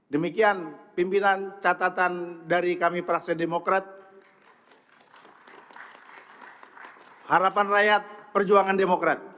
demikian pimpinan catatan dari kami prakte demokrat harapan rakyat perjuangan demokrat